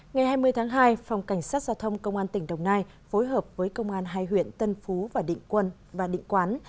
ngày hai mươi tháng hai phòng cảnh sát giao thông công an tỉnh đồng nai phối hợp với công an hai huyện tân phú và định quán